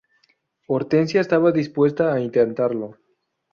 Hortensia estaba dispuesta a intentarlo.